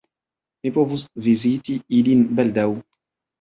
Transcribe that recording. Mi povus viziti ilin baldaŭ.